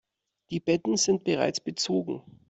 Die Betten sind bereits bezogen.